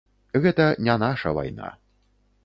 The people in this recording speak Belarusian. Гэта не наша вайна.